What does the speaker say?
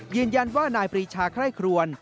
ยืนยันว่านายปรีชาไคร่ครวน